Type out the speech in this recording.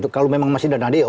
kalau memang masih ada nadeo